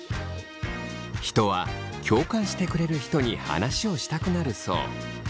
人は共感してくれる人に話をしたくなるそう。